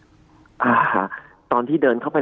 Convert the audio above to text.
เวลาที่เดินเข้าไป